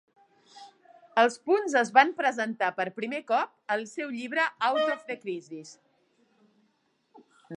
Els punts es van presentar per primer cop al seu llibre Out of the Crisis.